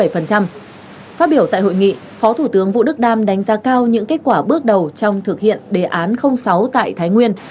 phát biểu tại hội nghị phó thủ tướng vũ đức đam đánh giá cao những kết quả bước đầu trong thực hiện đề án sáu tại thái nguyên